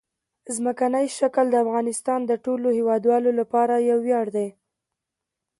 ځمکنی شکل د افغانستان د ټولو هیوادوالو لپاره یو ویاړ دی.